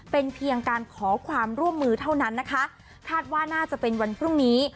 เป็นเพียงการขอความร่วมมือเท่านั้นนะคะคาดว่าน่าจะเป็นวันพรุ่งนี้